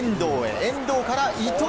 遠藤から伊東。